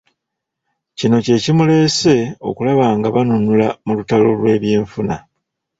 Kino kye kimuleese okulaba ng'a banunula mu lutalo lw'ebyenfuna.